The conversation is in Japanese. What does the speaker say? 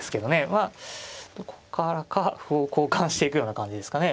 まあどこからか歩を交換していくような感じですかね。